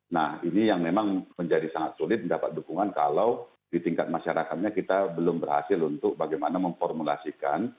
nah ini yang memang menjadi sangat sulit mendapat dukungan kalau di tingkat masyarakatnya kita belum berhasil untuk bagaimana memformulasikan